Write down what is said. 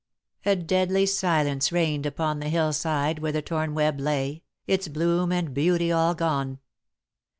A deadly silence reigned upon the hillside where the torn web lay, its bloom and beauty all gone.